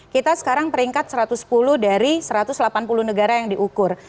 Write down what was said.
kita sekarang peringkat satu ratus sepuluh dari satu ratus delapan puluh negara yang diukur